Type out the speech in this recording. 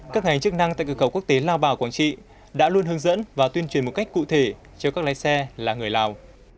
các ngành chức năng tại cửa khẩu quốc tế lao bảo quảng trị đã luôn hướng dẫn và tuyên truyền một cách cụ thể cho các lái xe là người lào